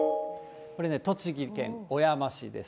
これね、栃木県小山市です。